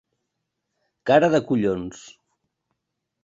Cara de collons.